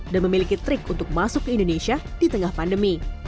dan memiliki trik untuk masuk ke indonesia di tengah pandemi